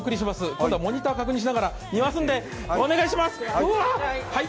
今度はモニター確認しながら見ますので、お願いします！